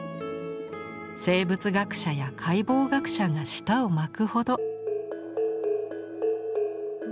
生物学者や解剖学者が舌を巻くほど。